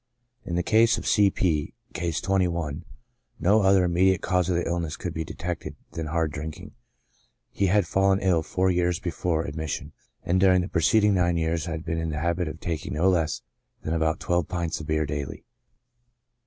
In the case of C. P —, (Case 21,) no other immediate cause of the illness could be detected than hard drinking ; he had fallen ill four years before ad mission, and during the preceding nine years had been in the habit of taking no less than about twelve pints of beer daily.